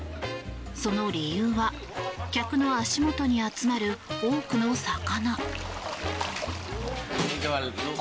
その理由は客の足元に集まる多くの魚。